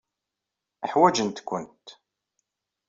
Ḥwajent-kent.